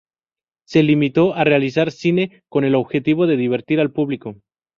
Se limitó a realizar cine con el objetivo de divertir al público.